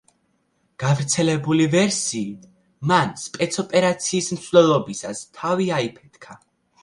გავრცელებული ვერსიით, მან სპეცოპერაციის მსვლელობისას თავი აიფეთქა.